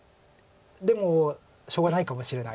でもしょうがないかもしれないっていう。